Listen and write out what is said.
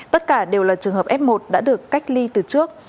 tất cả đều là trường hợp f một đã được cách ly từ trước